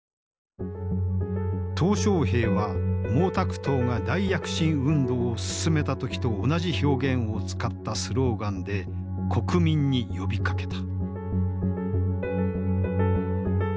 小平は毛沢東が大躍進運動を進めた時と同じ表現を使ったスローガンで国民に呼びかけた。